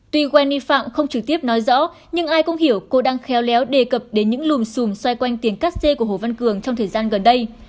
tuy wan nghi phạm không trực tiếp nói rõ nhưng ai cũng hiểu cô đang khéo léo đề cập đến những lùm xùm xoay quanh tiền cắt xê của hồ văn cường trong thời gian gần đây